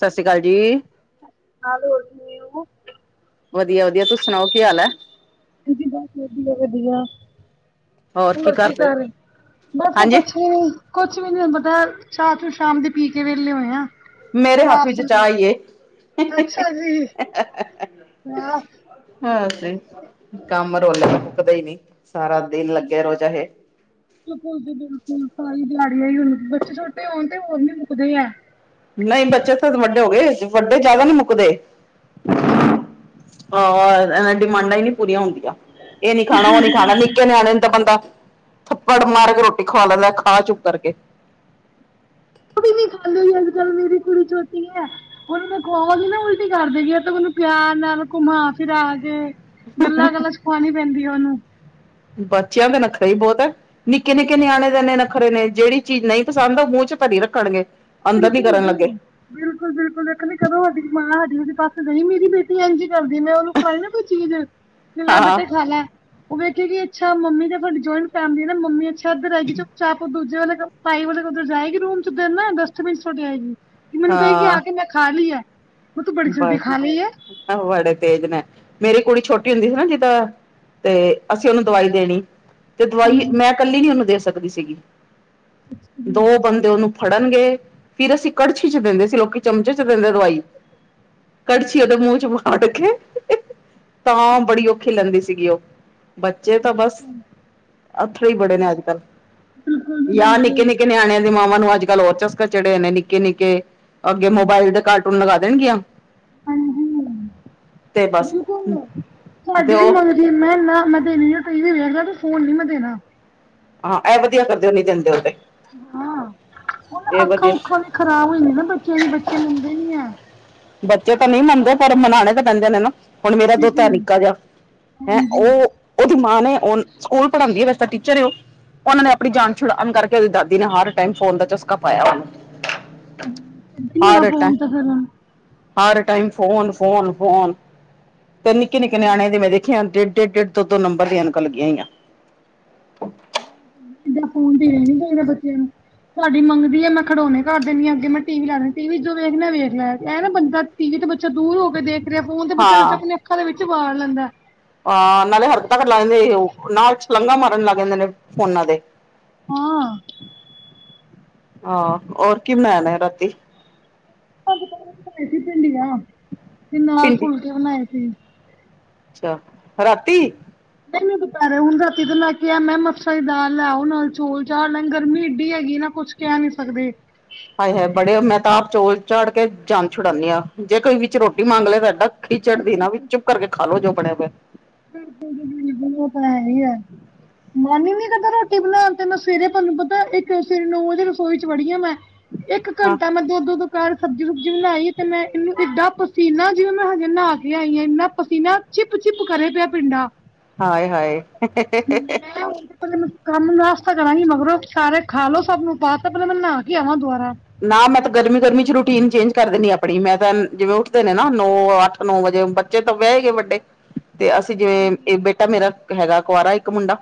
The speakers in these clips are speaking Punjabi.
ਸਤਿ ਸ਼੍ਰੀ ਅਕਾਲ ਜੀ। [unintelligible] ਵਧੀਆ ਵਧੀਆ, ਤੁਸੀਂ ਸੁਣਾਓ ਕੀ ਹਾਲ ਐ? ਦੀਦੀ ਬਸ ਵਧੀਆ ਵਧੀਆ ਹੋਰ ਕੀ ਕਰ ਰਹੇ ਬਸ ਹਾਂਜੀ ਕੁਛ ਵੀ ਨੀ ਕੁਛ ਵੀ ਨੀ ਤੁੂੰ ਪਤਾ ਚਾਹ ਤੇ ਸ਼ਾਮ ਦੀ ਪੀ ਕੇ ਵਿਹਲੇ ਹੋਏ ਆ ਮੇਰੇ ਹੋਰ ਹੱਥ ਆਪ ਵਿੱਚ ਸੁਣਾਓ? ਚਾਹ ਈ ਏ ਹੂੰ, ਕੰਮ [unintelligible] ਰੋਜ਼ ਦਾ ਕਦੇ ਮੁੱਲਦਾ ਨੀ ਸਾਰਾ ਦਿਨ ਲੱਗੇ ਰਹੋ ਚਾਹੇ ਬਿਲਕੁਲ ਜੀ ਬਿਲਕੁਲ [unintelligible] ਸਾਰੀ ਦਿਹਾੜੀ ਬੱਚੇ ਛੋਟੇ ਹੋਣ ਤੇ ਹੋਰ ਵੀ ਮੁੱਕਦੇ ਆ ਨਹੀਂ ਬੱਚੇ ਵੱਡੇ ਹੋ ਗਏ ਵੱਡੇ ਜ਼ਿਆਦਾ ਨੀ ਮੁੱਕਦੇ ਅੱਛਾ ਆ ਏ ਡਿਮਾਂਡਾਂ ਨੀ ਪੂਰੀਆਂ ਹੁੰਦੀਆਂ ਇ ਨੀ ਖਾਣਾ ਉ ਨੀ ਖਾਣਾ ਨਿੱਕੇ ਨਿਆਣੇ ਤਾ ਬੰਦਾ ਥੱਪੜ ਮਾਰ ਰੋਟੀ ਖੁਆ ਲੈਂਦਾ ਖਾ ਚੁੱਕ ਕਰਕੇ [unintelligible] ਵੀ ਨੀ [unintelligible] ਅੱਜ ਕੱਲ ਮੇਰੀ ਕੁੜੀ ਛੋਟੀ ਐ ਉਹਨੂੰ ਮੈਂ ਖੁਵਾਵਾ ਗਈ ਨਾ ਉਲਟੀ ਕਰਦੇਗੀ ਓ ਤੇ ਮੈਂ ਉਹਨੂੰ ਪਿਆਰ ਨਾਲ ਘੁੰਮਾ ਫਿਰਾ ਕੇ। ਗੱਲਾਂ ਗੱਲਾਂ ਚ ਖੁਆਣੀ ਪੈਂਦੀ ਆ ਉਹਨੂੰ ਬੱਚਿਆਂ ਦਾ ਨੱਖਰਾ ਈ ਬੋਤ ਐ ਨਿੱੱਕੇ ਨਿੱੱਕੇ ਨਿਆਣੇ ਦੇ ਐਨੇ ਐਨੇ ਵੱਖਰੇ ਨੇ ਜਿਹੜੀ ਚੀਜ਼ ਨਈ ਪਸੰਦ ਓ ਮੂੰਹ ਚ ਭਰੀ ਰੱਖਣਗੇ ਅੰਦਰ ਨੀ ਕਰਨ ਲੱਗੇ ਬਿਲਕੁਲ-ਬਿਲਕੁਲ, ਇੱਕ ਕਦੋਂ ਸਾਡੀ ਮਾਂ ਸਾਡੀ ਉਹਦੇ ਪਾਸੇ ਗਈ ਮੇਰੀ ਬੇਟੀ ਇੰਝੀ ਕਰਦੀ ਮੈਂ ਉਹਨੂੰ ਨਾ ਕੋਈ ਚੀਜ਼ ਲੈ ਹਾਂ ਬੇਟੇ ਖਾ ਲੈ ਉਹ ਵੇਖਿਆ ਕਿ ਅੱਛਾ ਮੰਮੀ [unintelligible] [unintelligible] ਨਾ ਮੰਮੀ ਅੱਛੇ ਇੱਧਰ ਆਏਗੀ ਚੁੱਪ ਚਾਪ ਦੂਜੇ ਵਾਲੇ [unintelligible] ਵਾਲੇ ਉੱਧਰ ਜਾਏਗੀ ਰੂਮ ਚ ਉਧਰ ਨਾ ਸੁੱਟ ਆਏਗੀ ਮੈਨੂੰ ਕਹੇਗੀ ਆ ਹਾਂ ਕੇ ਮੈਂ ਖਾ ਲਈ ਐ ਓ ਤੂੰ ਬੜੀ ਜਲਦੀ ਖਾ ਲਈ ਐ ਆਹੋ ਬੜੇ ਤੇਜ਼ ਨੇ ਮੇਰੀ ਕੁੜੀ ਛੋਟੀ ਹੁੰਦੀ ਸੀ ਨਾ ਜਿੱਦਾਂ ਤੇ ਅਸੀਂ ਓਨੂੰ ਦਵਾਈ ਦੇਣੀ ਤੇ ਦਵਾਈ ਹਾਂਜੀ ਮੈਂ ਕੱਲੀ ਨੀ ਓਨੂੰ ਦੇ ਸਕਦੀ ਸੀਗੀ ਅੱਛਾ ਜੀ ਦੋ ਤੇ ਓਨੂੰ ਫੜਨਗੇ ਫਿਰ ਅਸੀਂ ਕੜਛੀ ਚ ਦਿੰਦੇ ਸੀ ਲੋਕੀ ਚਮਚੇ ਚ ਦਿੰਦੇ ਦਵਾਈ ਕੜਛਿ ਓਦੇ ਮੂੰਹ ਚ ਅੱਡ ਕੇ ਤਾਂ ਬੜੀ ਔਖੀ ਲਗਦੀ ਸੀਗੀ ਓ ਬੱਚੇ ਤਾਂ ਬਸ ਅੱਥਰ ਈ ਬੜੇ ਨੇ ਅੱਜ ਕੱਲ੍ਹ ਬਿਲਕੁਲ ਜੀ ਜਾਂ ਨਿੱੱਕੇ ਬਿਲਕੁਲ ਨਿੱੱਕੇ ਨਿਆਣਿਆਂ ਦੀ ਮਾਵਾਂ ਨੂੰ ਅੱਜ ਓ ਹੋਰ ਚਸਕਾ ਚੜੇ ਹੋਏ ਨੇ ਨਿੱੱਕੇ ਨਿੱੱਕੇ ਅੱਗੇ ਮੋਬਾਇਲ ਦੇ ਕਾਰਟੂਨ ਲਗਾ ਦੇਣਗੀਆਂ ਹਾਂਜੀ ਤੇ ਬਸ ਬਿਲਕੁਲ ਤੇ ਤੁਹਾਡੇ ਵੀ ਉਹ ਮਗਰ ਮੈਂ ਨਾ ਮੈਂ ਦੇਣੀ ਟੀ ਵੀ ਵੇਖਦਾ ਤੂੰ ਫੋਨ ਨੀ ਮੈਂ ਦੇਣਾ ਹਾਂ, ਐ ਵਧੀਆ ਕਰਦੇ ਓ ਨੀ ਦਿੰਦੇ ਹੋ ਤੇ ਹਾਂ, ਉਹ ਇਹ ਅੱਖਾਂ ਵਧੀਆ ਉੱਖਾਂ ਵੀ ਖਰਾਬ ਹੋ ਜਾਂਦੀਆਂ ਨਾ ਬੱਚਿਆਂ ਦੀ ਬੱਚੇ ਮੰਨਦੇ ਨੀ ਐ ਬੱਚੇ ਤਾਂ ਨਹੀਂ ਮੰਨਦੇ ਪਰ ਮਨਾਉਣੇ ਤਾਂ ਪੈਂਦੇ ਨੇ ਨਾ ਹੁਣ ਮੇਰਾ ਦੋਤਾ ਹੈ ਬਿਲਕੁਲ ਨਿੱਕਾ ਜਿਹਾ ਹੈਂ ਹਾਂਜੀ ਉਹ ਉਹਦੀ ਮਾਂ ਨੇ ਉਹ ਸਕੂਲ ਪੜ੍ਹਾਂਦੀ ਵੈਸ ਤਾਂ ਟੀਚਰ ਉਹ ਉਹਨਾਂ ਨੇ ਆਪਣੀ ਜਾਨ ਛੁੜਾਉਣ ਕਰਕੇ ਉਹਦੀ ਦਾਦੀ ਨੇ ਹਰ ਟਾਈਮ ਫੋਨ ਦਾ ਚਸਕਾ ਪਾਇਆ ਉਹਨੂੰ ਇਦਾਂ ਹੀ ਹੋਣਾ ਹਰ ਟਾਈਮ ਫੋਨ ਤਾਂ ਫੇਰੁ ਹਰ ਟਾਈਮ ਫੋਨ-ਫੋਨ-ਫੋਨ ਤੇ ਨਿੱਕੇ-ਨਿੱਕੇ ਨਿਆਣੇ ਤੇ ਮੈਂ ਦੇਖਿਆ ਡੇਢ-ਡੇਢ ਦੋ-ਦੋ ਨੰਬਰ ਦੀਆਂ ਐਨਕਾਂ ਲੱਗੀਆਂ ਹੋਇਆਂ ਇਦਾਂ ਫੋਨ ਦੇਣਾ ਨੀ ਚਾਹੀਦਾ ਬੱਚਿਆਂ ਨੂੰ ਸਾਡੀ ਮੰਗਦੀ ਹੈ ਮੈਂ ਖੜੋਣੇ ਕਰ ਦੇਨੀ ਆਂ ਅੱਗੇ ਮੈਂ ਟੀ ਵੀ ਲਾ ਦ ਟੀ ਵੀ ਜੋ ਵੇਖਣੈ ਵੇਖ ਲਿਆ ਕ ਨਾ ਬੰਦਾ ਟੀ ਵੀ ਤੇ ਬੱਚਾ ਦੂਰ ਹੋ ਕੇ ਦੇਖ ਰਿਹਾ ਫੋਨ ਤੇ ਬੱਚਾ ਵਿੱਚ ਆਪਣੇ ਅੱਖਾਂ ਦੇ ਵਿੱਚ ਵਾੜ ਲੈਂਦਾ ਆਹ ਨਾਲੇ ਹਰ ਤੱਕ ਲਾ ਜਾਂਦੇ ਉਹ ਨਾਲ ਛਲਾਂਘਾ ਮਾਰਨ ਲੱਗ ਜਾਂਦੇ ਨੇ ਫੋਨਾਂ ਦੇ ਹਾਂ ਹਹ ਹੋਰ ਕੀ ਬਣਾਇਣਾ ਨਯਾ ਰਾਤੀ ਅੱਜ ਬਣਾਏ ਸੀ ਭਿੰਡੀਆਂ ਤੇ ਨਾਲ ਭਿੰਡੀ ਫੁਲਕੇ ਬਣਾਏ ਸੀ ਅੱਛਾ ਰਾਤੀ ਮੈਨੂੰ ਦੁਪਹਰੇ ਹੁਣ ਰਾਤੀ ਤੋਂ ਲੈ ਕੇ ਆ ਮੈਂ ਮਸਰ ਦੀ ਦਾਲ ਲੈਓ ਨਾਲ ਚੋਲ ਚਾੜ ਲੈ ਗਰਮੀ ਏਡੀ ਹੈਗੀ ਨਾ ਕੁਛ ਕੈ ਨੀ ਸਕਦੇ ਹ [inaudible] ਹਾਏ ਏ ਬੜੇ ਮੈਂ ਤਾਂ ਆਪ ਚੋਲ ਚਾੜ ਕੇ ਜਾਨ ਛੁਡਾਂਦੀ ਹਾਂ ਜੇ ਕੋਈ ਵਿੱਚ ਰੋਟੀ ਮੰਗ ਲਏ ਤਾਂਡਾ ਖਿਚ ਚੜ੍ਹਦੀ ਨਾ ਵੀ ਚੁੱਪ ਕਰਕੇ ਖਾ ਲੋ ਜੋ ਬਣਿਆ ਪੇਆ ਆਪਣਾ ਹੈ ਹੀ ਹੈ ਮਨ ਹੀ ਨੀ ਕਰਦਾ ਰੋਟੀ ਬਣਾਉਣ ਤੇ ਮੈਂ ਸਵੇਰੇ ਤੁਹਾਨੂੰ ਪਤਾ ਇੱਕ ਸਵੇਰੇ ਨੌ ਵਜੇ ਰਸੋਈ ਚ ਵੜੀ ਆ ਮੈਂ ਇੱਕ ਹਾਂ ਘੰਟਾ ਮ ਦੋ-ਦੋ ਦੋਪੈਹਰ ਸਬਜ਼ੀ ਸੁਬਜ਼ੀ ਬਣਾਈ ਤੇ ਮੈਂ ਇਹਨੂੰ ਏਡਾਂ ਪਸੀਨਾ ਜਿਵੇਂ ਮੈਂ ਹਜੇ ਨਹਾ ਕੇ ਆਈਾਂ ਆਂ ਇਨਾ ਪਸੀਨਾ ਚਿੱਪ-ਚਿੱਪ ਕਰੇ ਪਿਆ ਪਿੰਡਾਂ ਹਾਏ-ਹਾਏ ਪ ਮੈਂ ਕੰਮ ਨਾਸਤਾ ਕਰਾਂਗੀ ਮਗਰੋਂ ਸਾਰੇ ਖਾ ਲੋੋ ਸਭ ਨੂੰ ਪਾਤਾ ਪਹਿਲੇ ਮੈਂ ਨਹਾ ਕੇ ਆਵਾਂ ਦੁਬਾਰਾ ਨਾ ਮੈਂ ਤਾਂ ਗਰਮੀ-ਗਰਮੀ ਚ ਰੂਟੀਨ ਚੇਂਜ ਕਰ ਦਿੰਣੀ ਆਪਣੀ ਮੈਂ ਤਾਂ ਜਿਵੇਂ ਉੱਠਦੇ ਨੇ ਨਾ ਨੌ ਅੱਠ ਨੌ ਵਜੇ ਬੱਚੇ ਤਾਂ ਵਿਆਹੇ ਗਏ ਵੱਡੇ ਤੇ ਅਸੀਂ ਜਿਵੇਂ ਹਾਂਜੀ ਇਹ ਬੇਟਾ ਮੇਰਾ ਹੈਗਾ ਕੁਆਰਾ ਇੱਕ ਮੁੰਡਾ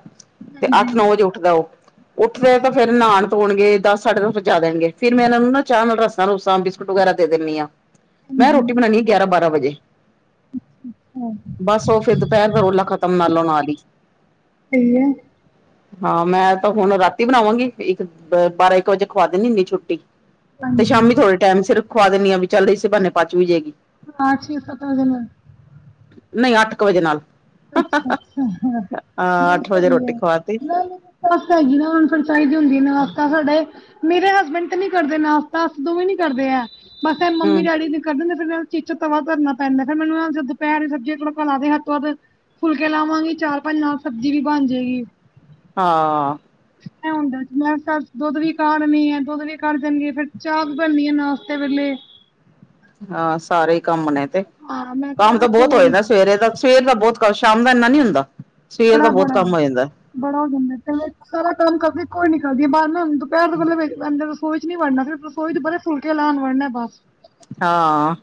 ਤੇ ਹਾਂਜੀ ਅੱਠ ਨੌ ਵਜ ਓਠ ਉੱਠਦਾ ਉਹ ਉੱਠਦੇ ਤਾਂ ਫੇਰ ਨਾਣ ਧੋਣਗੇ ਦਸ ਸਾਢੇ ਦਸ ਵਜਾ ਦੇਣਗੇ ਫੇਿਰ ਮੈਂ ਇਹਨਾਂ ਨੂੰ ਨਾ ਚਾਹ ਨਾਲ ਰਸਾਂ ਰੂਸਾਂ ਬਿਸਕੁਟ ਵਗੈਰਾ ਦੇ ਦਿੰਦੀ ਹਾਂ ਮੈਂ ਹਾਂਜੀ ਰੋਟੀ ਬਣਾਉਨਣੀ ਗਿਆਰਾਂ ਬਾਰਾਂ ਵਜੇ ਹਾਂ ਬਸ ਉਹ ਫੇਿਰ ਦੁਪਹਿਰ ਦਾ ਰੋਲਾ ਖਤਮ ਨਾਲਉ ਨਾਲ ਹੀ ਸਹੀ ਹੈ ਹਾਂ ਮੈਂ ਤਾਂ ਹੁਣ ਰਾਤੀ ਬਣਾਵਾਂਗੀ ਇੱਕ ਬਾਰਾਂ ਇੱਕ ਵਜੇ ਖਵਾ ਦਿੰਨੀ ਹੁਨੀ ਛੁੱਟੀ ਤੇ ਸ਼ਾਮੀ ਹਾਂਜੀ ਥੋੜੇ ਟਾਈਮ ਸਿਰ ਖੁਵਾ ਦਿੰਨੀ ਆ ਵੀ ਚੱਲਦੇ ਸੀ ਬਹਾਨੇ ਪਚ ਵੀ ਜੇਗੀ ਆਠ ਛੇ ਸਤਰਾ ਦਿਨ ਹੋਏ ਨਹੀਂ ਅੱਠ ਕੁ ਵਜੇ ਨਾਲ ਅੱਛਾ-ਅੱਛਾ ਹ ਅਹ ਨਹੀਂ ਅੱਠ ਵਜੇ ਸਹੀ ਰੋਟੀ ਖਵਾਤੀ ਨਾ ਸੱਸ ਹੈਗੀ ਨਾ ਹੁਣ ਚਾਹੀਦੀ ਹੁੰਦੀ ਨਸਤਾ ਸਾਡੇ ਮੇਰੇ ਹਸਬੈਂਡ ਤੇ ਨੀ ਕਰਦੇ ਨਾਸਤਾ ਦੋਵੇਂ ਨੀ ਕਰਦੇ ਆ ਬਸ ਮੰਮੀ ਹੂੰ ਡੈਡੀ ਕੱਢ ਫਿਰ ਮੈਂ ਵਿਚ ਤਵਾ ਧਰਨਾ ਪੈਂਦਾ, ਫਿਰ ਮੈਨੂੰ ਦੁਪਹਿਰੀ ਸਬਜ਼ੀਆਂ ਤੜਕਾ ਲਾ ਦੇ ਹੱਦ ਤੋਂ ਵੱਧ ਫੁਲਕੇ ਲਾਵਾਂਗੇ ਚਾਰ ਪੰਜ, ਨਾਲ ਸਬਜ਼ੀ ਵੀ ਬਣ ਜੇਗੀ। ਹਾਂ ਹੁੰ ਮੈਂ ਦੁੱਧ ਵੀ ਕਾਢਣੀ ਹੈ ਦੁੱਧ ਵੀ ਕੱਢ ਦੇਣਗੇ ਫਰ ਚਾਹ ਬਣਨੀ ਹੈ ਨਾਸ਼ਤੇ ਵੇਲੇ ਹਾਂ ਸਾਰੇ ਹੀ ਕੰਮ ਨੇ ਤੇ ਹਾਂ ਮੈਂ ਕਿਹਾ ਕੰਮ ਬੜੀ ਤਾਂ ਇੱਕ ਬਹੁਤ ਹੋ ਵਾਰੀ ਜਾਂਦਾ ਸਵੇਰੇ ਦਾ ਸਵੇਰ ਦਾ ਬਹੁਤ ਕੰ ਸ਼ਾਮ ਦਾ ਇੰਨਾ ਨੀ ਹੁੰਦਾ ਸਵੇਰ ਦਾ ਬਹੁਤ ਕੰਮ ਹੋ ਜਾਂਦਾ ਬੜਾ-ਬੜਾ-ਬੜਾ ਹੋ ਜਾਂਦਾ ਤੇ ਸਾਰਾ ਕੰਮ ਕਰਦੀ ਕੋਈ ਨੀ ਕਰਦੀ ਬਾਹਰ ਨਾ ਪੈਰ ਦੇ ਗਦੇ ਰਸੋਈ ਨੀ ਵੜਨਾ ਫਿਰ ਰਸੋਈਚ ਵੜਨਾ ਫੁਲਕੇ ਲਾਣ ਵੜਨਾ ਬਸ ਹਾਂ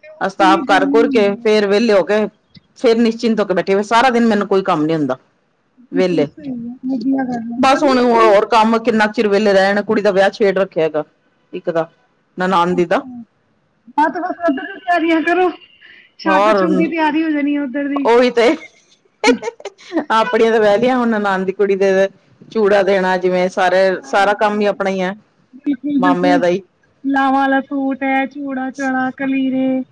ਤੇ ਅ ਉਹ ਇੰਨੀ ਸਾਫ ਕਰ ਗਰਮੀ ਘੁਰ ਹੁੰਦੀ ਕੇ ਹੈ ਫੇਰ ਵਿਹਲੇ ਹੋ ਕੇ ਫੇਰ ਨਿਸ਼ਚਿੰਤ ਹੋ ਕੇ ਬੈਠੇ ਹੋਏ ਸਾਰਾ ਦਿਨ ਮੈਨੂੰ ਕੋਈ ਕੰਮ ਨੀ ਹੁੰਦਾ ਬਿਲਕੁਲ ਵਿਹਲੇ, ਸਹੀ ਹੈ ਵਧੀਆ ਗੱਲ ਹੈ ਬਸ ਹੁਣ ਗਰਮੀ -ਹਣ ਹੁੰਦੀ ਹੈ ਹੋਰ ਕੰਮ ਕਿੰਨਾ ਕੁ ਚਿਰ ਵਿਹਲੇ ਰਹਿਣ, ਕੁੜੀ ਦਾ ਵਿਆਹ ਛੇੜ ਰੱਖਿਆ ਹੈਗਾ ਇੱਕ ਦਾ। ਹੰਦੀ ਦਾ। ਆ ਤੇ ਬਸ ਉੱਧਰ ਦੀ ਤਿਆਰੀਆਂ ਕਰੋ, ਛੱਕ ਹੋਰ ਛੁੱਕ ਦੀ ਤਿਆਰੀ ਹੋ ਜਾਣੀ ਆ ਉੱਧਰ ਦੀ। ਉਹੀ ਤੇ ਆਪਣੀਆਂ ਤੇ ਵਿਆਹ ਲੀਆਂ, ਹੁਣ ਨਨਾਣ ਦੀ ਕੁੜੀ ਦੇ ਚੂੜਾ ਦੇਣਾ ਜਿਵੇਂ ਸਾਰੇ ਸਾਰਾ ਕੰਮ ਹੀ ਹਾਂਜੀ ਆਪਣਾ ਹੀ ਐ, ਬਿਲਕੁਲ ਬਿਲਕੁਲ ਮਾਮਿਆਂ ਦਾ ਹੀ। ਲਾਵਾਂ ਵਾਲਾ ਸੂਟ ਐ, ਚੂੜਾ ਚਾੜਾ ਕਲੀਰੇ।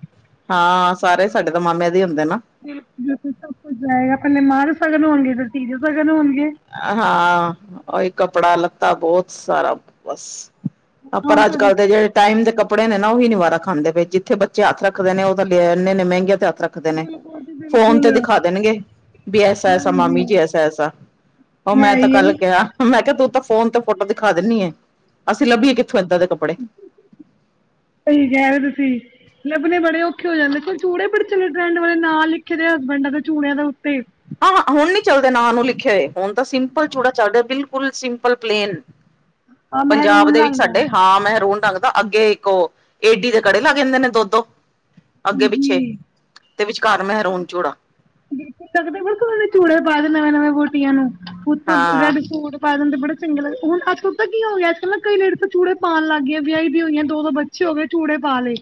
ਹਾਂ, ਸਾਰੇ ਸਾਡੇ ਤਾਂ ਮਾਮਿਆਂ ਦੇ ਹੁੰਦੇ ਨਾ। ਬਿਲਕੁਲ ਸਭ ਕੁੱਝ ਜਾਏਗਾ, ਪਹਿਲਾਂ ਮਾਂ ਦੇ ਸ਼ਗਨ ਹੋਣਗੇ, ਫੇਰ ਧੀ ਦੇ ਸ਼ਗਨ ਹੋਣਗੇ। ਹਾਂ, ਉਹੀ ਕੱਪੜਾ ਲਿੱਤਾ ਬਹੁਤ ਸਾਰਾ, ਬਸ ਹੁਣ ਪਰ ਅੱਜ- ਤੁਹਾਡੀ ਕੱਲ੍ਹ ਦੇ ਜਿਹੜੇ ਟਾਈਮ ਦੇ ਕੱਪੜੇ ਨੇ ਨਾ ਉਹੀ ਨੀ ਵਾਰਾ ਖਾਂਦੇ ਪਏ, ਜਿੱਥੇ ਬੱਚੇ ਹੱਥ ਰੱਖਦੇ ਨੇ ਉਹ ਤਾਂ ਐਨੇ- ਐਨੇ ਮਹਿੰਗੇ ਤੇ ਹੱਥ ਰੱਖ ਦੇ ਨੇ ਬਿਲਕੁਲ ਜੀ ਫੋਨ ਬਿਲਕੁਲ ਤੇ ਦਿਖਾ ਦੇਣਗੇ, ਵੀ ਐਸਾ-ਐਸਾ ਹਾਂਜੀ ਮਾਮੀ ਜੀ ਐਸਾ-ਐਸਾ ਉਹ ਮੈਂ ਹੈ ਤਾਂ ਹੀ ਹੈ ਕੱਲ ਕਿਹਾ, ਮੈਂ ਕਿਹਾ ਤੂੰ ਤਾਂ ਫੋਨ ਤੇ ਫੋਟੋ ਦਿਖਾ ਦਿੰਨੀ ਏ। ਅਸੀਂ ਲੱਭੀਏ ਕਿੱਥੋਂ, ਇੱਦਾਂ ਦੇ ਕੱਪੜੇ ਸਹੀ ਕਹਿ ਰਹੇ ਓ, ਤੁਸੀਂ ਲੱਭਣੇ ਬੜੇ ਔਖੇ ਹੋ ਜਾਂਦੇ ਆ, ਚ ਚੂੜੇ ਬੜੇ ਚਲੇੇ ਟਰੈਂਡ ਵਾਲੇ ਨਾਂ ਲਿਖੇ ਦੇ ਆ ਹਸਬੈਂਡਾਂ ਦੇ ਚੂੜਿਆਂ ਦੇ ਉੱਤੇ। ਹਾਂ ਹੁਣ ਨੀ ਚੱਲਦੇ ਨਾਂ ਨੂੰ ਲਿਖੇ ਹੋਏ, ਹੁਣ ਤਾਂ ਸਿੰਪਲ ਚੂੜਾ ਚੱਲ ਰਿਹਾ ਬਿਲ ਕੁਲ ਸਿੰਪਲ ਪਲੇਨ, ਆ ਪੰਜਾਬ ਮਹਿਰੂਨ ਦੇ ਵਿੱਚ ਰੰਗ ਦਾ ਸਾਡੇ ਹਾਂ ਮਹਿਰੂਨ ਰੰਗ ਅੱਗੇ ਇੱਕ ਉਹ ਏਡੀ ਦੇ ਕੜੇ ਲੱਗ ਜਾਂਦੇ ਨੇ, ਦੋ-ਦੋ ਅੱਗੇ ਪਿੱਛੇ। ਹਾਂਜੀ ਤੇ ਵਿਚਕਾਰ ਮਹਿਰੂਨ ਚੂੜਾ। ਦੇਖ ਸਕਦੇ ਓ ਫਿਰ, ਚੂੜੇ ਪਾ ਦੇ ਨਵੇਂ- ਨਵੇਂ ਵਹੋਟੀਆਂ ਨੂੰ ਉਤੋਂ ਹਾਂ ਰੈਡ ਸੂਟ। ਪਾ ਦਿੰਦੇ ਬੜੇ ਚੰਗੇ ਲੱਗਦੇ, ਹੁਣ ਅੱਜ-ਕੱਲ ਤਾਂ ਕੀ ਹੋ ਗਿਆ ਅੱਜ-ਕੱਲ੍ਹ ਨਾ ਕਈ ਲੇਡੀਜ਼ ਤਾਂ ਚੂੜੇ ਪਾਣ ਲਾਗੀਆਂ ਵਿਆਹੀ ਵੀ ਹੋਈ ਹੈ, ਦੋ- ਦੋ ਬੱਚੇ ਹੋ ਗਏ, ਚੂੜੇ ਪਾ ਲਏ।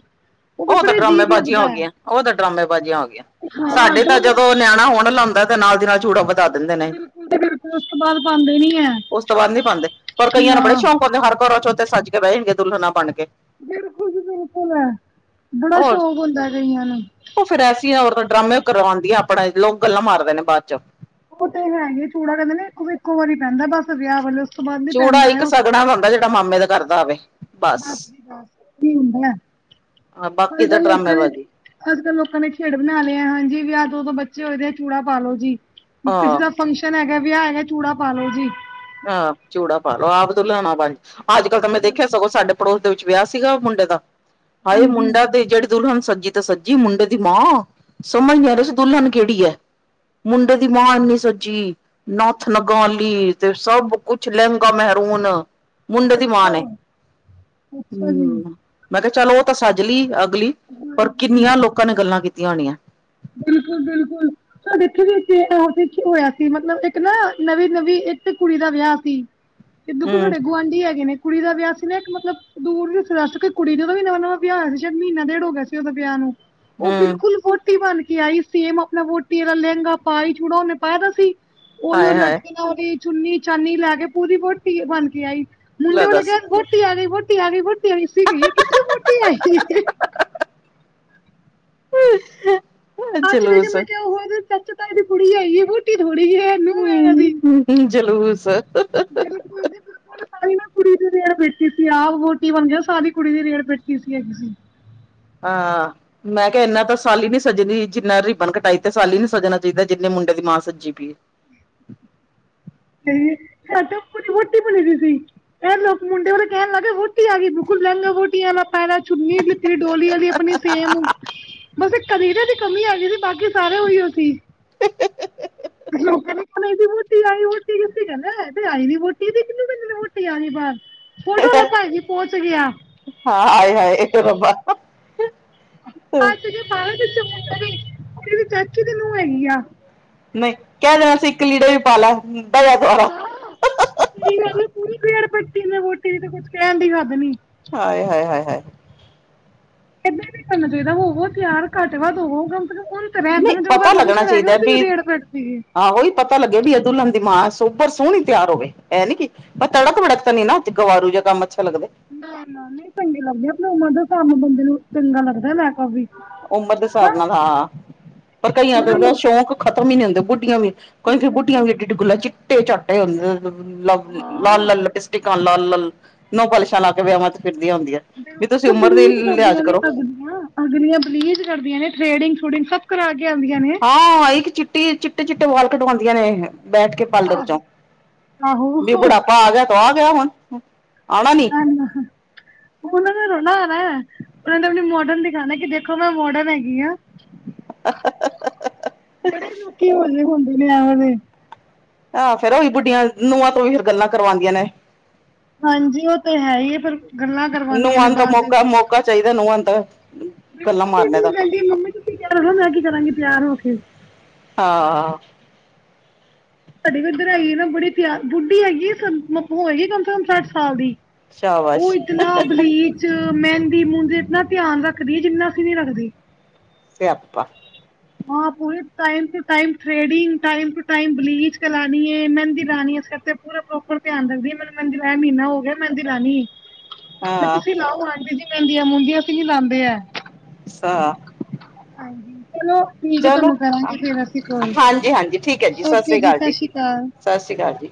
ਫਿਰ ਉਹ ਤਾਂ ਬੜੇ ਡਰਾਮੇ ਅਜੀਬ ਬਾਜ਼ੀਆਂ ਹੋ ਲੱਗਦਾ ਹੈ ਗੀਆਂ। ਉਹ ਤਾਂ ਡਰਾਮੇ ਬਾਜ਼ੀਆਂ ਹੋ ਗੀਆਂ, ਹਾਂ ਸਾਡੇ ਤਾਂ ਜੋ ਮਰ- ਜਦੋਂ ਨਿਆਣਾ ਹੋਣ ਲਾਉਂਦਾ ਤੇ ਨਾਲ ਦੀ ਨਾਲ ਚੂੜਾ ਵਧ ਵਧਾ ਦਿੰਦੇ ਨੇ, ਬਿਲਕੁਲ ਤੇ ਬਿਲਕੁਲ ਉਸ ਤੋਂ ਬਾਅਦ ਪਾਉਂਦੇ ਨਹੀਂ ਹੈ ਉਸ ਤੋਂ ਬਾਅਦ ਨੀ ਪਾਂਦੇ, ਪਰ ਕਈਆਂ ਨੂੰ ਬੜੇ ਨਾ ਸ਼ੌਂਕ ਦੇ ਹਰ ਘਰਾਂ ਚ ਉੱਥੇ ਸੱਜ ਕੇ ਬਹਿ ਜਾਣਗੀਆਂ, ਦੁਲਹਨਾਂ ਬਣ ਕੇ। ਬਿਲਕੁਲ ਜੀ ਬਿਲਕੁਲ, ਬੜਾ ਸ਼ੌਕ ਹੁੰਦਾ ਕਈਆਂ ਨੂੰ। ਫ਼ਿਰ ਐਸੀਆਂ ਔਰਤਾਂ ਡਰਾਮੇ ਕਰਵਾਂਦੀਆਂ ਆਪਣਾ, ਲੋਕ ਗੱਲਾਂ ਮਾਰਦੇ ਨੇ ਬਾਅਦ ਚੋਂ। ਉਹ ਤੇ ਹੈਗੇ, ਚੂੜਾ ਕਹਿੰਦੇ ਨੇ ਇੱਕੋ ਵਾਰੀ ਪੈਂਦਾ ਬਸ ਵਿਆਹ ਵਾਲੇ ਤੋਂ ਬਾਅਦ ਨੀ ਚੂੜਾ ਪੈਂਦਾ ਹੈ ਇੱਕ ਉਸ ਸਗਣਾ ਹੁੰਦਾ, ਜਿਹੜਾ ਮਾਮੇ ਦੇ ਘਰ ਦਾ ਹੋਵੇ। ਬਸ ਬਾਪ ਦੀ ਹੁੰਦਾ, [inaudible] ਹਾਂ ਅੱਜ ਬਾਕੀ ਤਾਂ -ਕੱਲ ਲੋਕਾਂ ਨੇ ਡਰਾਮੇਬਾਜ਼ੀ ਅੱਜ- ਕੱਲ੍ਹ ਲੋਕਾਂ ਨੇ ਖੇਡ ਬਣਾ ਲਿਆ, ਹਾਂਜੀ ਵਿਆਹ ਦੋ-ਦੋ ਬੱਚੇ ਹੋਏ ਦੇ ਆ ਚੂੜਾ ਪਾਲੋ ਜੀ, ਕਿਸੇ ਹਾਂ ਦਾ ਫੰਕਸ਼ਨ ਹੈਗਾ, ਵਿਆਹ ਹੈਗਾ ਚੂੜਾ ਪਾ ਲੋੋ ਜੀ। ਆਹ ਚੂੜਾ ਪਾਲੋ, ਆਪ ਤੋ ਲਿਆਣਾ ਬਣ, ਅੱਜ -ਕੱਲ ਤਾਂ ਮੈਂ ਦੇਖਿਆ ਸਗੋਂ ਸਾਡੇ ਪੜੋਸ ਦੇ ਵਿੱਚ ਵਿਆਹ ਸੀਗਾ ਮੁੰਡੇ ਦਾ, ਹਾਏ ਹਾਂਜੀ ਮੁੰਡਾ ਜਿਹੜੀ ਦੁਲਹਨ ਸੱਜੀ ਤੇ ਸੱਜੀ, ਮੁੰਡੇ ਦੀ ਮਾਂ, ਸਮਝ ਨੀ ਆ ਰਹੇ ਸੀ ਦੁਲਹਨ ਕਿਹੜੀ ਐ। ਮੁੰਡੇ ਦੀ ਮਾਂ ਇੰਨੀ ਸਜੀ, ਨੱਥ ਲਗਾਲੀ ਤੇ ਸਭ ਕੁਛ ਲਹਿੰਗਾ ਮੇਹਿਰੂਨ ਮੁੰਡਏ ਦੀ ਮਾ ਅੱਛਾ, ਨੇ ਅੱਛਾ ਜੀ। ਮੈਂ ਕਿਹਾ ਚੱਲ ਉਹ ਤਾਂ ਸੱਜ ਲਈ ਅਗਲੀ, ਪਰ ਹਾਂਜੀ। ਕਿੰਨੀਆਂ ਲੋਕਾਂ ਨੇ ਗੱਲਾਂ ਕੀਤੀਆਂ ਹੋਣੀਆਂ। ਬਿਲਕੁਲ -ਬਿਲਕੁਲ। ਸਾਡੇ ਇਥੇ ਵੀ ਹੋਇਆ ਸੀ, ਮਤਲਬ ਇੱਕ ਨਾ ਨਵੀਂ -ਨਵੀਂ ਇੱਥੇ ਕੁੜੀ ਦਾ ਵਿਆਹ ਸੀ। [unintelligible] ਤੇ ਦੁੱਗੂ ਸਾਡੇ ਗੁਆਂਢੀ ਹੈਗੇ ਨੇ। ਕੁੜੀ ਦਾ ਵਿਆਹ ਸੀ ਨਾ ਇੱਕ ਮਤਲਬ ਦੂਰ ਰਿਸ਼ਤੇਦਾਰੀ ਚ ਕੁੜੀ ਸੀ, ਉਹਦਾ ਵੀ ਨਵਾਂ- ਨਵਾਂ ਵਿਆਹ ਹੋਇਆ ਸੀ, ਸ਼ਾਇਦ ਮਹੀਨਾ ਡੇਢ ਹੋ ਗਿਆ ਸੀ ਉਹਦਾ ਵਿਆਹ ਨੂੰ। ਓ ਹਮ ਬਿਲਕੁਲ ਵੋਟੀ ਬਣ ਕੇ ਆਈ, ਸੇਮ ਆਪਨਾ ਵੋਟੀ ਵਾਲਾ ਲੈਂਗਾ ਪਾ ਆਈ, ਚੂੜਾ ਓਨੇ ਪਾਇਆ ਦਾ ਸੀ। ਓਈਓ ਹਾਏ ਹਾਏ ਲਟਕਨਾ ਵਾਲੀ ਚੁੰਨੀ-ਚਾਨੀ ਲੈ ਕੇ ਪੂਰੀ ਵੋਟੀ ਬਣ ਕੇ ਆਈ। ਮੁੰਡੇ ਲੈ ਵਾਲੇ ਦੱਸ ਕੈਣ ਵੋਟੀ ਆ ਗਈ, ਵੋਟੀ ਆ ਗਈ-ਵੋਟੀ ਆ ਗਈ, ਅਸੀ ਕਈਏ ਕਿੱਥੇ ਵੋਟੀ ਆਈ ਏ। [inaudible] [unintelligible] ਚਾਚੇ, ਜਲੂਸ ਤਾਏ ਦੀ ਕੁੜੀ ਹੈਗੀ ਏ, ਵੋੱਟੀ ਥੋੜੀ ਏ। ਹੂੰ, ਹੂੰ, ਹੂੰ ਜਲੂਸ ਬਿਲਕੁਲ ਜੀ, ਬਿਲ [unintelligible] ਆ ਮੈਂ ਕੇਆ ਏਨਾ ਤਾ ਸਾਲੀ ਨੀ ਸਜਦੀ‌, ਜਿੰਨਾ ਰਿਬਨ ਕਟਾਈ ਤੇ ਸਾਲੀ ਨੂੰ ਸਜਨਾ ਚਾਹੀਦਾ, ਜਿੰਨਾ ਮੁੰਡੇ ਦੀ ਮਾਂ ਸਜੀ ਪਈਏ। [unintelligible] ਜਪੁ ਦੀ ਵੋਟੀ ਬਣੀ ਦੀ ਸੀ, ਐ ਲੋਕ ਮੁੰਡੇ ਵਾਲੇ ਕੈਣ ਲੱਗ ਪਏ ਕਿ ਵੋ ਵੋੱਟੀ ਆ ਗਈ। ਬਿਲਕੁਲ ਲੈਂਗਾ ਵੋਟੀਆਂ ਆਲਾ ਪਾਯਾ ਦਾ, ਚੁੱਨੀ ਲਿੱਤੀ ਦੀ ਡੋਲੀ ਵਾਲੀ ਆਪਨੀ ਸੇਮ, ਬਸ ਏੱਕ ਕਲੀਰੇ ਦੀ ਕਮੀ ਹੈਗੀ ਸੀ, ਬਾਕੀ ਸਾਰੇ ਓਈਓ ਸੀ, ਲੋਕਾਂ ਨੂੰ ਹੁਣ ਇਹਦੀ ਮੋਟੀ ਆਈ ਵੋਟੀ। ਕਹਿੰ ਇਹ ਆਈ ਵੀ ਵੋਟੀ ਕ ਮੋਟੀ ਆਈ ਬਾਹਰ ਫੋਟੋ ਦਾ ਭਾਈ ਜੀ ਪਹੁੰਚ ਗਿਆ ਹਾਅ ਹੈਏ ਹਏ ਇਹ ਰਬ ਹ ਤੇ ਜ ਬਵੇ ਮੁੰਡੇ ਵੀ ਕੁੜੀ ਦੀ ਚਾਚੀ ਤੇ ਨੂੰਹ ਹੈਗੀ ਆ [unintelligible] ਪੂਰੀ ਪੇੜ ਪੱਟੀ ਨੇ ਵੋਟੀ ਦੀ ਤੇ ਕੁਛ ਕਹਿਣ ਦੀ ਹੱਦ ਨੀ ਹਾਏ, ਹਾਏ, ਹਾਏ, ਹਾਏ ਏਦਾਂ ਨੀ ਕਰਨਾ ਚਾਈਦਾ, ਹੋਵੋ ਤਿਯਾਰ ਘੱਟ-ਵੱਧ ਹੋਵੋ। ਸੇ ਕਮ ਉਹਨ ਤੇ ਰੈਂਦੇ ਨਹੀਂ ਨਾ, ਜਦੋਂ ਪਤਾ ਲੱਗਣਾ ਫੰਕਸ਼ਨ ਹੈਗਾ ਚਾਹੀਦਾ ਉਦੇ ਈ ਵੀ ਰੇੜ ਕੱਡ ਤੀ ਏ। ਆਹੋ ਈ ਪਤਾ ਲੱਗੇ ਵੀ ਏ ਦੁਲਨ ਦੀ ਮਾਂ, ਸੋਬਰ ਸੋਣੀ ਤਿਯਾਰ ਹੋਵੇ, ਐ ਨੀ ਕਿ ਆ ਤੜਕ-ਭੜਕ ਤਾ ਨੀ ਨਾ, ਅੱਜ ਗਵਾਰੂ ਜੇ ਕੰਮ ਅੱਛੇ ਲੱਗਦੇ। ਨਾ, ਨਾ, ਨੀ ਚੰਗੇ ਲੱਗਦੇ, ਆਪਨੀ ਉਮਰ ਦਾ ਕੰਮ ਬੰਦੇ ਨੂੰ ਚੰਗਾ ਲੱਗਦੈ, ਮੈਕਪ ਵੀ। ਉਮਰ ਦੇ ਹਿਸਾਬ ਨਾਲ, ਹਾਂ, ਪਰ ਕਈਆਂ ਦੇ ਉਹਨਾਂ ਤਾ ਨੂੰ ਸ਼ੌਂਕ ਖਤਮ ਈ ਨੀ ਹੁੰਦੇ ਬੁੱਡੀਆਂ ਵੀ ਕਈ-ਕਈ ਬੁੱਡੀਆਂ ਵੀ ਏੱਡੇ-ਏੱਡੇ ਗੱਲਾ, ਚਿੱਟੇ ਝਾੱਟੇ ਹੁੰਦੇ। [unintelligible] ਹਾਂ ਲਾਲ-ਲਾਲ ਲਿਪਸਟਿਕਾਂ, ਲਾਲ-ਲਾਲ ਨੌ ਪਾਲਿਸ਼ਾਂ ਲਾ ਕੇ ਵਿਆਵਾਂ ਚ ਫਿਰਦੀਆਂ ਹੁੰਦੀਐ। ਬਿਲਕੁਲ, ਬਲੀਚ ਕਰਦੀਆਂ ਨੇ ਅਗਲੀਆਂ, ਅਗਲੀਆਂ ਬਲੀਚ ਕਰਦੀਆਂ ਨੇ, ਥਰੇੇਡਿੰਗ ਥੂਡਿੰਗ ਸਭ ਕਰਾ ਕੇ ਆਉਂਦੀਆਂ ਨੇ ਆ ਇੱਕ ਚਿੱਟੀ, ਚਿੱਟੇ-ਚਿੱਟੇ ਵਾਲ ਕਢਵਾਉਂਦੀਆਂ ਨੇ ਬੈਠ ਕੇ [unintelligible] ਚੋਂ, ਆਹੋ ਵੀ ਬੁੜਾਪਾ ਆ ਗਿਆ ਤੋ ਆ ਗਿਆ ਹੁਣ, ਆਨਾ ਨੀ ਉਨਾਂ ਨੇ [unintelligible] ਆਨੈ, ਉਨਾਂ ਨੇ ਆਪਨੀ ਮੋਡਨ ਦਿਖਾਨੈ ਕਿ ਦੇਖੋ ਮੈਂ ਮੋਡਨ ਹੈਗੀ ਆਂ। ਬੜੇ ਲੋਕੀ ਹੋਲੇ ਹੁੰਦੇ ਨੇ ਐ ਵਾਲੇ ਆ ਫੇਰ ਏਹੀ ਬੁੱਡੀਆਂ ਨੂੰਆਂ ਤੋ ਹੀ ਫੇਰ ਗੱਲਾਂ ਕਰਵਾਂਦੀਆਂ ਨੇ ਹਾਂਜੀ, ਓ ਤੇ ਹੈਈ ਈ ਫੇਰ ਗੱਲਾਂ ਕਰਵਾਂਦੀਆਂ ਨੇ ਬਾਦ ਦੇ ਵਿੱਚ ਚਾਹੀਦੈ ਨੁਆਂ ਨੂੰ ਤਾ ਐ, ਗੱਲਾਂ ਮਾਰਨੇ ਦਾ ਕੇ ਮੰਮੀ ਤੁਸੀ ਕੈਣਾ ਨਾ, ਮੈਂ ਕੀ ਕਰਾਂਗੀ, ਤਿਯਾਰ ਹੋ ਕੇ। ਹਾਂ। ਸਾਡੇ ਵੀ ਇੱਧਰ ਹੈਗੀ ਏ ਨਾ ਬੜੀ ਤਿਆਰ, ਬੁੱਢੀ ਹੈਗੀ ਏ, ਪਰ ਹੋਏਗੀ ਕਮ ਸੇ ਕਮ ਸੱਠ ਸਾਲ ਦੀ। ਔ ਸ਼ਾਬਾਸ਼ ਇਤਨਾ ਬਲੀਚ ਮੈਂਦੀ ਮੂੰਦੀ ਇਤਨਾ ਧਿਆਨ ਰੱਖਦੀ ਏ, ਜਿੰਨਾ ਅਸੀ ਨੀ ਰੱਖਦੇ। ਸਿਆਪਾ ਹਾਂ, ਪੂਰੇ time to time threading, time to time bleach ਲਾਣੀ ਏ, ਮੈਂਦੀ ਲਾਣੀ ਏ, ਇਸ ਕਰਕੇ ਪੂਰੇ ਪ੍ਰੋ ਰ ਧਿਆਨ ਰੱਖਦੀ ਏ, ਮੈਨੂੰ ਮੈਂਦੀ ਲਾਯਾ ਮਿਣਾ ਹੋ ਗਿਐ, ਮੈਂਦੀ ਲਾਨੀ ਏ, ਵੇ ਹਾਂ ਤੁਸੀ ਲਾਓ ਆਂਟੀ ਜੀ ਮੈਂਦੀਆ ਮੂੰਦੀਐ ਅਸੀ ਨੀ ਲਾਂਦੇ ਐ। [unintelligible] ਹਾਂਜੀ, ਚਲੋ ਠੀਕ ਐ ਚਲੋ ਤੁਆਨੂੰ ਕਰਾਂਗੇ ਫੇਰ ਅਸੀ ਕੋਲ, ਹਾਂਜੀ ਹਾਂਜੀ ਠੀਕ ਹੈ ਜੀ ਸਤਿ ਸ੍ਰੀ ਓਕੇ ਜੀ। ਅਕਾਲ ਸਤਿ ਸ਼੍ਰੀ ਅਕਾਲ ਸਤਿ ਸ਼੍ਰੀ ਅਕਾਲ ਜੀ।